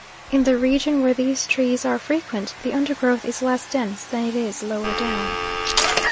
In the region where these trees are frequent, the undergrowth is less dense than it is lower down.